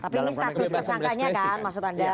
tapi ini status tersangkanya kan maksud anda